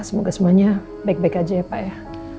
semoga semuanya baik baik aja ya pak ya